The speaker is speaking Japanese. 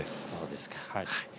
そうですか。